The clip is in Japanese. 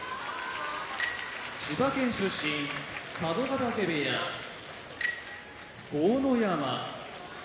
千葉県出身佐渡ヶ嶽部屋豪ノ山